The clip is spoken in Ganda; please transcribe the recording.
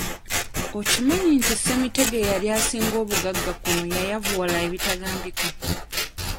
Okimanyi nti Ssemitego eyali asinga obugagga kuno yayavuwala ebitagambika?